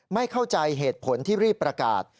ไม่เข้าใจเหตุผลที่รีบประกาศ